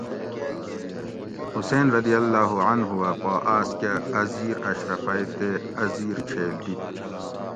حُسین رضی اللّٰہ عنہُ اۤ پا آۤس کۤہ اۤ زیر اشرفئ تے اۤ زیر چھیل دِت